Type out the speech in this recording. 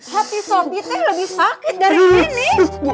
hati sobite lebih sakit dari ini